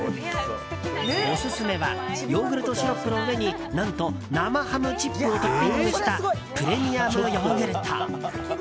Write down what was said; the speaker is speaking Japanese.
オススメはヨーグルトシロップの上に何と生ハムチップをトッピングしたＰＲＥＭＩＵＭヨーグルト。